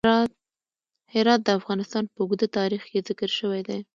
هرات د افغانستان په اوږده تاریخ کې ذکر شوی دی.